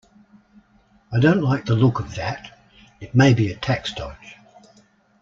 I don't like the look of that. It may be be a tax dodge.